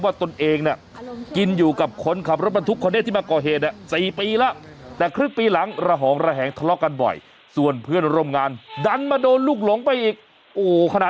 ว่าตนเองกินอยู่กับคนขับรถบรรทุก